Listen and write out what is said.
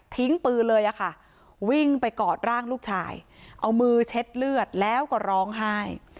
ปืนเลยอะค่ะวิ่งไปกอดร่างลูกชายเอามือเช็ดเลือดแล้วก็ร้องไห้